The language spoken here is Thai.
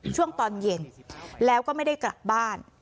ตอนเย็นแล้วก็ไม่ได้กลับบ้าน